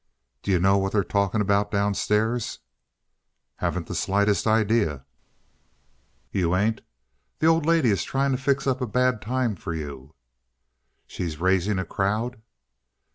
"D'you know what they're talking about downstairs?" "Haven't the slightest idea." "You ain't! The old lady is trying to fix up a bad time for you." "She's raising a crowd?"